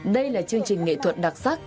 đây là chương trình nghệ thuật đặc sắc